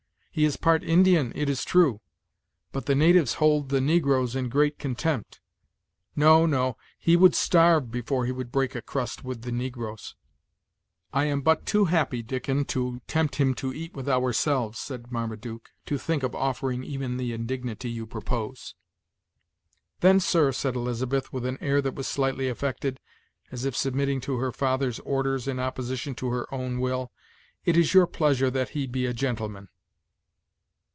He is part Indian, it is true; but the natives hold the negroes in great contempt. No, no; he would starve before he would break a crust with the negroes." "I am but too happy, Dickon, to tempt him to eat with ourselves," said Marmaduke, "to think of offering even the indignity you propose." "Then, sir," said Elizabeth, with an air that was slightly affected, as if submitting to her father's orders in opposition to her own will, "it is your pleasure that he be a gentleman."